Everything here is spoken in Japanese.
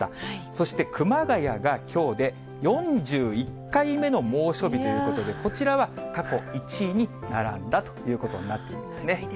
そして熊谷が、きょうで４１回目の猛暑日ということで、こちらは過去１位に並んだということになってるんですね。